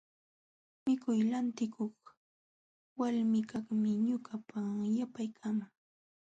Mikuy lantikuq walmikaqmi ñuqata yapaykaman.